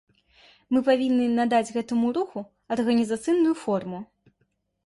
Мы павінны надаць гэтаму руху арганізацыйную форму.